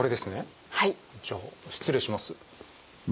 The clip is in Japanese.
じゃあ失礼します。